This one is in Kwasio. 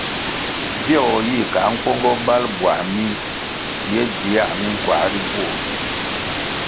Bviogo yih kah nkwongo bal buā mih ye dzi yā minkuā ri bvuo.